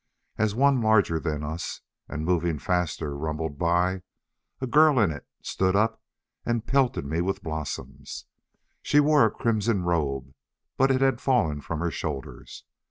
As one larger than us, and moving faster rumbled by, a girl in it stood up and pelted me with blossoms. She wore a crimson robe, but it had fallen from her shoulders.